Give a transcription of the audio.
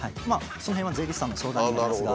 その辺は税理士さんの相談になりますが。